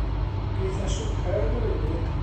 Geith e swper yn y funud.